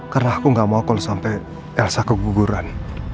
karena aku gak mau kalau sampai elsa keguguran